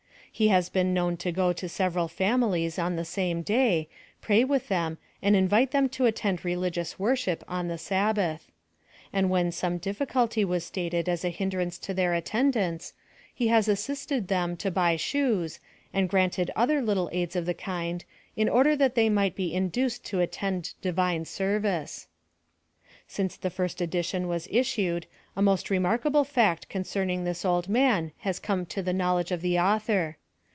He has been known to go to several fami lies on the same day, pray with them, and invite them to attend religious worship on the Sabbath. And when some difficulty was stated as a hindrance to their attendance, he has assisted them to buy shoes, and granted other little aids of the kind, in order that they might be induced to attend Divine service. [Since the first edition was issued, a most remarkable fact concerninir this old man has come to the knowledge of the author.